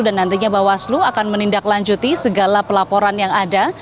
dan nantinya bawaslu akan menindaklanjuti segala pelaporan yang ada